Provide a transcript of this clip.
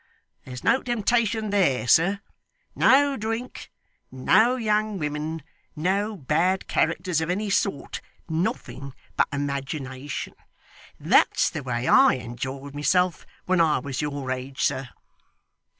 There's no temptation there, sir no drink no young women no bad characters of any sort nothing but imagination. That's the way I enjoyed myself when I was your age, sir.